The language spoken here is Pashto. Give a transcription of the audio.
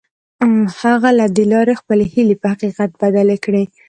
هغه له دې لارې خپلې هيلې په حقيقت بدلې کړې.